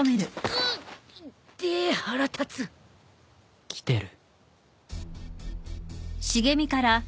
いってえ腹立つ。来てる。